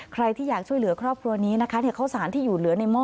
ใครที่อยากช่วยเหลือครอบครัวนี้นะคะข้าวสารที่อยู่เหลือในหม้อ